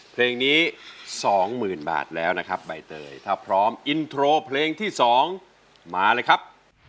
เพลงนี้๒๐๐๐บาทแล้วนะครับใบเตยถ้าพร้อมอินโทรเพลงที่๒มาเลยครับ